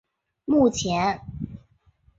目前已在英格兰及摩纳哥发现鲸龙的化石。